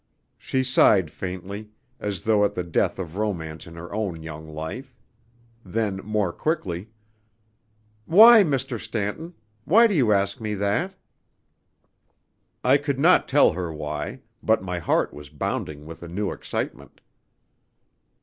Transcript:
She sighed faintly, as though at the death of romance in her own young life. Then, more quickly "Why, Mr. Stanton? Why do you ask me that?" I could not tell her why; but my heart was bounding with a new excitement.